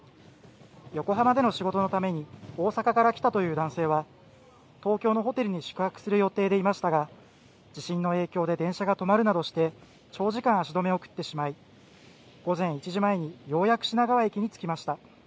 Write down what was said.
横浜での仕事のために大阪から来たという男性は東京のホテルに宿泊する予定でいましたが地震の影響で電車が止まるなどして長時間、足止めを食ってしまい午前１時前にようやく品川駅に着きました。